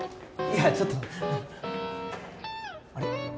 いやちょっとあれ？